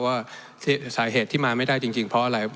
ว่าสาเหตุที่มาไม่ได้จริงเพราะอะไร